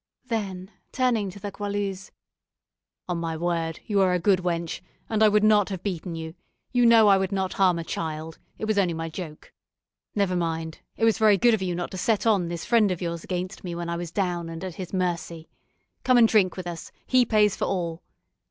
Then turning to the Goualeuse, "On my word, you are a good wench, and I would not have beaten you; you know I would not harm a child, it was only my joke. Never mind; it was very good of you not to set on this friend of yours against me when I was down, and at his mercy. Come and drink with us; he pays for all.